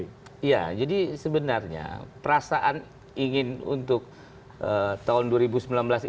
iya jadi sebenarnya perasaan ingin untuk tahun dua ribu sembilan belas ini